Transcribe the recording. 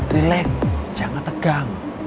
relax jangan tegang